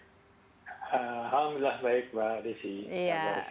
alhamdulillah baik mbak rishi